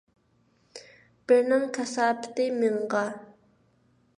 بىرنىڭ كاساپىتى مىڭغا.